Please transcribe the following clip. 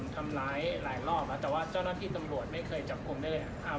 ทำร้ายหลายรอบแล้วแต่ว่าเจ้าหน้าที่ตำรวจไม่เคยจับกลุ่มได้เลยครับ